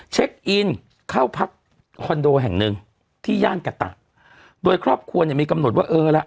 เช็คอินเข้าพักคอนโดแห่งหนึ่งที่ย่านกะตะโดยครอบครัวเนี่ยมีกำหนดว่าเออละ